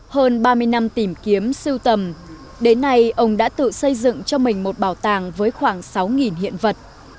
hơn ba mươi năm tìm kiếm siêu tầm đến nay ông đã tự xây dựng cho mình một bảo tàng với khoảng sáu hiện vật